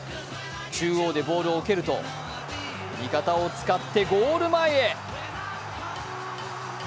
中央でボールを受けると味方を使ってゴール前へ。